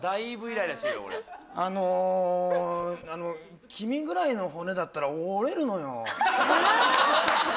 あの君ぐらいの骨だったら折れるのよ。